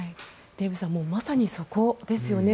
デーブさんまさにそこですよね。